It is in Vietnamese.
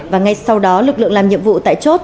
và ngay sau đó lực lượng làm nhiệm vụ tại chốt